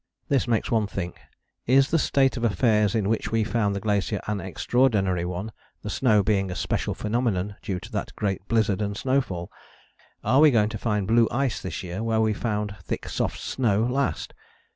"This makes one think. Is the state of affairs in which we found the glacier an extraordinary one, the snow being a special phenomenon due to that great blizzard and snowfall? Are we going to find blue ice this year where we found thick soft snow last?